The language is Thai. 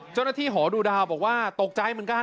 เจ้าหน้าที่หอดูดาวบอกว่าตกใจเหมือนกัน